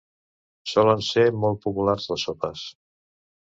Solen ser molt populars les sopes.